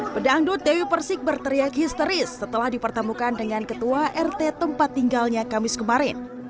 pedangdut dewi persik berteriak histeris setelah dipertemukan dengan ketua rt tempat tinggalnya kamis kemarin